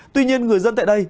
tuy nhiên người dân tại đây